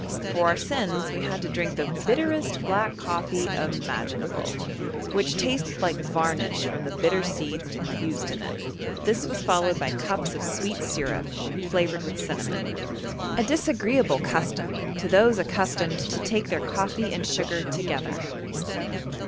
For our sins we had to drink the bitterest black coffee imaginable, which tasted like varnish from the bitter seeds infused in it; this was followed by cups of sweet syrup flavoured with cinnamon, a disagreeable custom to those accustomed to take their coffee and sugar together.